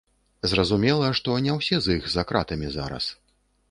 Зразумела, што не ўсе з іх за кратамі зараз.